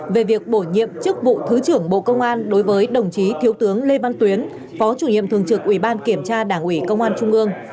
về việc bổ nhiệm chức vụ thứ trưởng bộ công an đối với đồng chí thiếu tướng lê văn tuyến phó chủ nhiệm thường trực ủy ban kiểm tra đảng ủy công an trung ương